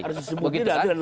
harus disebut tidak